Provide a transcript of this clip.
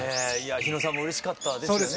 日野さんもうれしかったですよね。